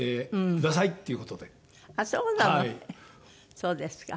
そうですか。